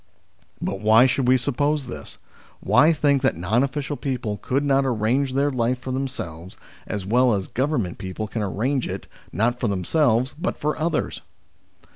But why should we suppose this ? Why think that non official people could not arrange their life for themselves, as well as Government people can arrange it not for themselves but for others